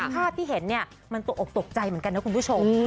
ภาพที่เห็นเนี่ยมันตกออกตกใจเหมือนกันนะคุณผู้ชม